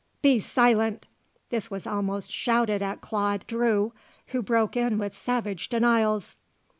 Be silent!" this was almost shouted at Claude Drew, who broke in with savage denials.